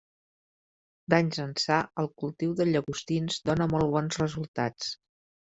D'anys ençà, el cultiu de llagostins dóna molt bons resultats.